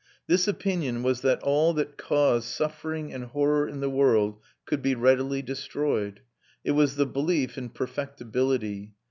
This opinion was that all that caused suffering and horror in the world could be readily destroyed: it was the belief in perfectibility.